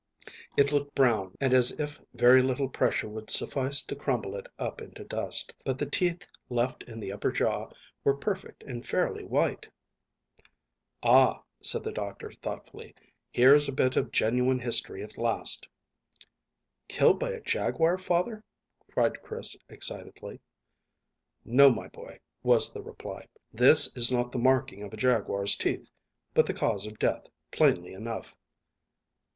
It looked brown and as if very little pressure would suffice to crumble it up into dust; but the teeth left in the upper jaw were perfect and fairly white. "Ah!" said the doctor thoughtfully. "Here's a bit of genuine history at last." "Killed by a jaguar, father?" cried Chris excitedly. "No, my boy," was the reply; "this is not the marking of a jaguar's teeth, but the cause of death, plainly enough."